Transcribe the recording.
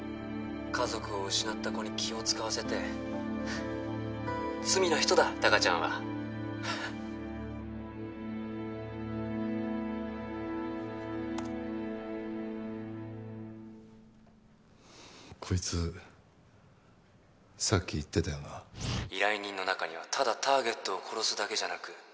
家族を失った子に気を使わせて罪な人だ貴ちゃんはこいつさっき言ってたよな依頼人の中にはただターゲットを殺すだけじゃなく